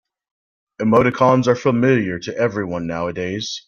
Emoticons are familiar to everyone nowadays.